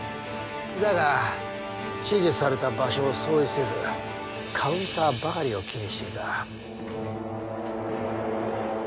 だが指示された場所を掃除せずカウンターばかりを気にしていた。